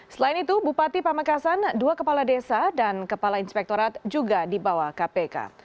selain itu bupati pamekasan dua kepala desa dan kepala inspektorat juga dibawa kpk